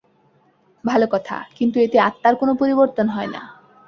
ভাল কথা, কিন্তু এতে আত্মার কোন পরিবর্তন হয় না।